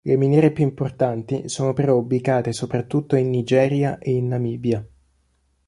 Le miniere più importanti sono però ubicate soprattutto in Nigeria e in Namibia.